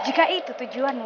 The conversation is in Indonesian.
jika itu tujuanmu